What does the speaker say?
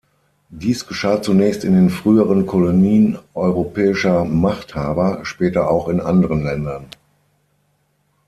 Dies geschah zunächst in den früheren Kolonien europäischer Machthaber, später auch in anderen Ländern.